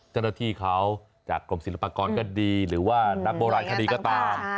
เจ้าหน้าที่เขาจากกรมศิลปากรก็ดีหรือว่านักโบราณคดีก็ตาม